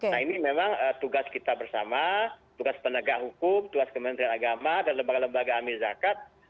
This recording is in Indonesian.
nah ini memang tugas kita bersama tugas penegak hukum tugas kementerian agama dan lembaga lembaga amir zakat